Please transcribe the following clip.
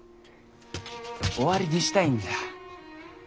終わりにしたいんじゃ。